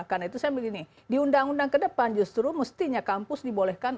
karena itu saya begini di undang undang ke depan justru mestinya kampus dibolehkan